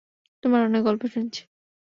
তোমার অনেক গল্প শুনেছি।